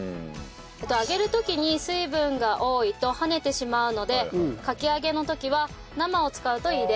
揚げる時に水分が多いとはねてしまうのでかき揚げの時は生を使うといいです。